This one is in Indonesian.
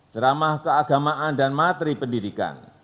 ceramah keagamaan dan materi pendidikan